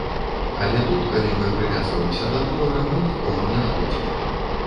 Але тут, калі мы прывязваемся да долара, мы нікому не шкодзім.